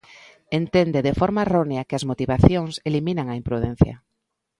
Entende de forma errónea que as motivacións eliminan a imprudencia.